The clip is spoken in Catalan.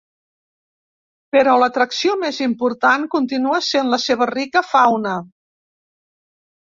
Però l'atracció més important continua sent la seva rica fauna.